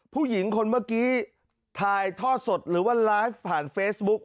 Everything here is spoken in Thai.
ผู้หญิงคนเมื่อกี้ถ่ายทอดสดหรือว่าไลฟ์ผ่านเฟซบุ๊ก